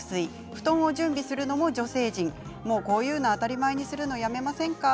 布団を準備するのも女性陣こういうのを当たり前にするのをやめませんか。